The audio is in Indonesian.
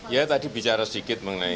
ya tadi bicara sedikit mengenai